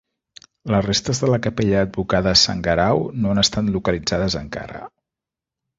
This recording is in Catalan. Les restes de la capella advocada a Sant Guerau no han estat localitzades encara.